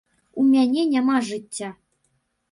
У мяне няма жыцця.